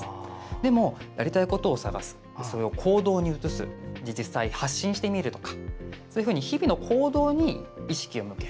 でも、やりたいことを探すそれを行動に移す実際、発信してみるとかそういうふうに日々の行動に意識を向ける。